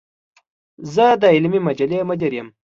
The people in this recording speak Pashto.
زۀ د علمي مجلې مدير يم.